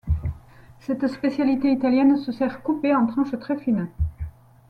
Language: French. Cette spécialité italienne se sert coupée en tranches très fines.